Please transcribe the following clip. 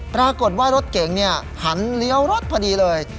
ปรากฏว่ารถเก๋งหันเลี้ยวรถพอดีเลย